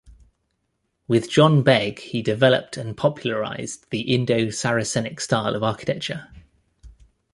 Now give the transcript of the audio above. With John Begg he developed and popularised the Indo-Saracenic style in architecture.